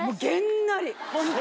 ホントに。